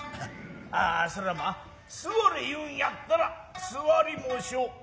ああそれはまあ座れ言うんやったら座りもしょう。